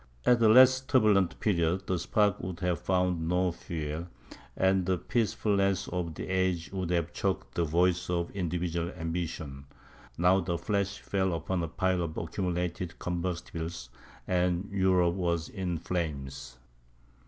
At a less turbulent period, the spark would have found no fuel; and the peacefulness of the age would have choked the voice of individual ambition; but now the flash fell upon a pile of accumulated combustibles, and Europe was in flames.